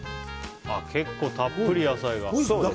結構たっぷり野菜が。